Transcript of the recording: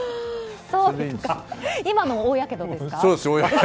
今のは大やけどですか？